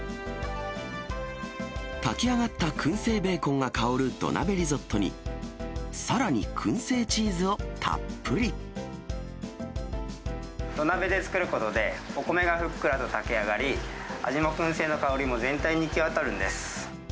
炊き上がったくん製ベーコンが香る土鍋リゾットに、さらにくん製土鍋で作ることで、お米がふっくらと炊き上がり、味もくん製の香りも全体に行き渡るんです。